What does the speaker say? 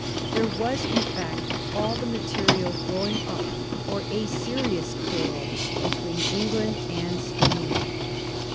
There was, in fact, all the material growing up for a serious quarrel between England and Spain.